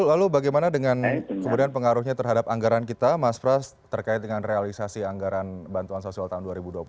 lalu bagaimana dengan kemudian pengaruhnya terhadap anggaran kita mas pras terkait dengan realisasi anggaran bantuan sosial tahun dua ribu dua puluh satu